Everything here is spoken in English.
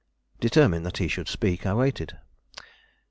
Determined that he should speak, I waited.